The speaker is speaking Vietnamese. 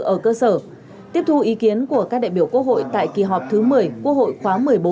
ở cơ sở tiếp thu ý kiến của các đại biểu quốc hội tại kỳ họp thứ một mươi quốc hội khóa một mươi bốn